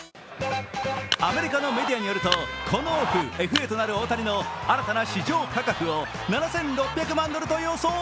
アメリカのメディアによるとこのオフ、ＦＡとなる大谷の新たな市場価格を７６００万ドルと予想。